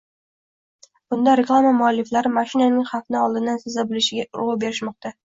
Bunda reklama mualliflari mashinaning “xavfni oldindan seza bilishi“ ga urgʻu berishmoqda.